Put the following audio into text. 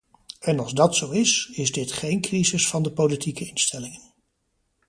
En als dat zo is, is dit geen crisis van de politieke instellingen.